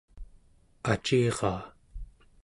aciraa